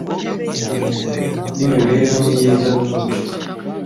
n imibereho myiza n umuco